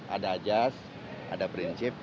ada ajas ada prinsip